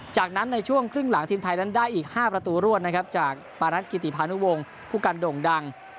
จากนั้นในช่วงครึ่งหลังทีมไทยนั้นได้อีก๕ประตูรวดนะครับจากปารัสกิติพานุวงศ์ผู้กันโด่งดัง